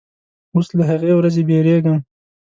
اوس له هغې ورځې بیریږم